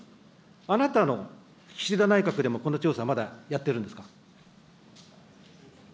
あなたの岸田内閣でも、この調査、まだやってるんですか。